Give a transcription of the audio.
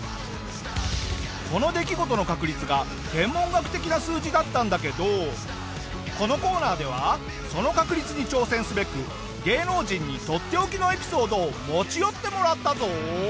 この出来事の確率が天文学的な数字だったんだけどこのコーナーではその確率に挑戦すべく芸能人にとっておきのエピソードを持ち寄ってもらったぞ！